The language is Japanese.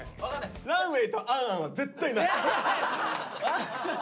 ランウェイと「ａｎ・ａｎ」は絶対ない。